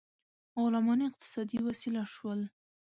غلامان اقتصادي وسیله شول.